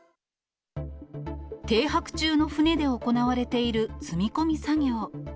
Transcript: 停泊中の船で行われている積み込み作業。